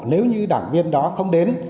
nếu như đảng viên đó không đến